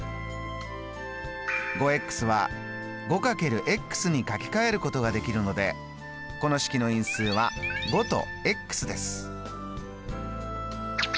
５は５×に書きかえることができるのでこの式の因数は５とです。